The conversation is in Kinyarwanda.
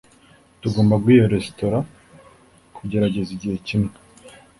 Tugomba guha iyo resitora kugerageza igihe kimwe.